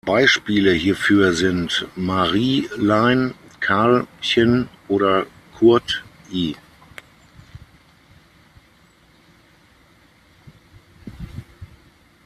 Beispiele hierfür sind "Marie-lein", "Karl-chen" oder "Kurt-i".